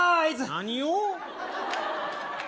何を？